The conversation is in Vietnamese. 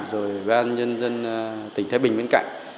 rồi ban nhân dân tỉnh thái bình bên cạnh